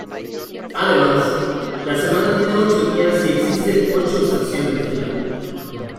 Además, la semana tiene ocho días y existen ocho estaciones del año.